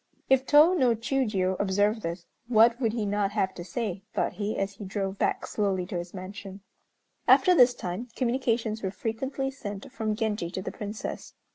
"If Tô no Chiûjiô observed this, what would he not have to say?" thought he, as he drove back slowly to his mansion. After this time communications were frequently sent from Genji to the Princess.